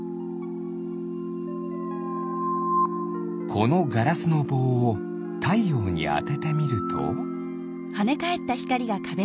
このガラスのぼうをたいようにあててみると？